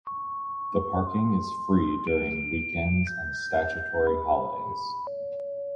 The parking is free during weekends and statutory holidays.